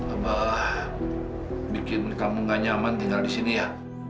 abah bikin kamu gak nyaman tinggal di sini ya